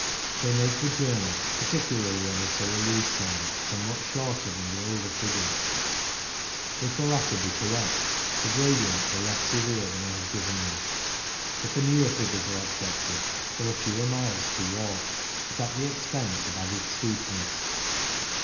They make the journey, particularly on the Tyrolese side, somewhat shorter than the older figures. If the latter be correct, the gradients are less severe than I have given them ; if the newer figures are accepted, there are fewer miles to walk, but at the expense of added steepness.